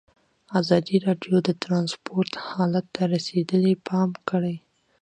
ازادي راډیو د ترانسپورټ حالت ته رسېدلي پام کړی.